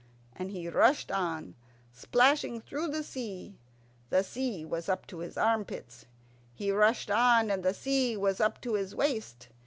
And he rushed on, splashing through the sea. The sea was up to his armpits. He rushed on, and the sea was up to his waist.